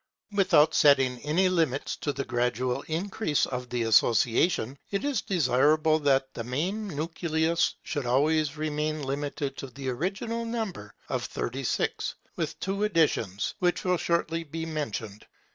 Without setting any limits to the gradual increase of the Association, it is desirable that the central nucleus should always remain limited to the original number of thirty six, with two additions, which will shortly be mentioned.